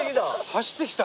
走ってきた。